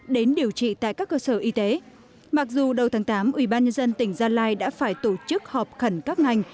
đến điều trị tại các cơ sở y tế mặc dù đầu tháng tám ubnd tỉnh gia lai đã phải tổ chức họp khẩn các ngành